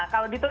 kalau di turki